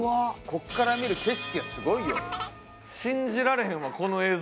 ここから見る景色はすごいよ。